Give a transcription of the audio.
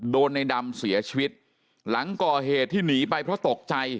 โดนในดำเสียชีวิตหลังก่อเหตุที่หนีไปเพราะตกใจ